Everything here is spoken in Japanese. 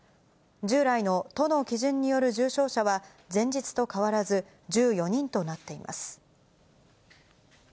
従来の都の基準による重症者は、前日と変わらず１４人となっています。